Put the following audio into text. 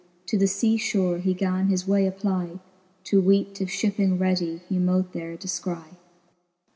To the lea fhore he gan his way SEpply, To weete if (hipping readie he mote there de{cry.